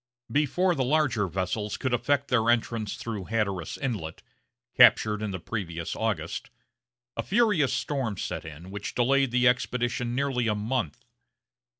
Before the larger vessels could effect their entrance through Hatteras Inlet, captured in the previous August, a furious storm set in, which delayed the expedition nearly a month.